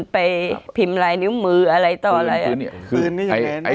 ไปพิมพ์ลายนิ้วมืออะไรต่ออะไร